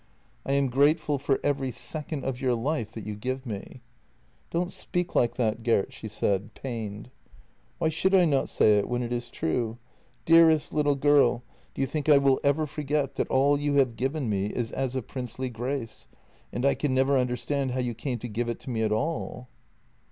" I am grateful for every second of your life that you give me." " Don't speak like that, Gert," she said, pained. "Why should I not say it when it is true? Dearest little girl, do you think I will ever forget that all you have given me is as a princely grace, and I can never understand how you came to give it to me at all?